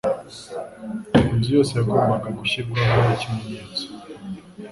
Inzu yose yagombaga gushyirwaho ikimenyetso,